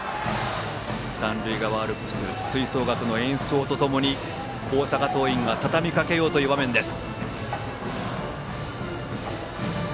三塁側アルプス吹奏楽の演奏と共に大阪桐蔭がたたみかけようという場面です。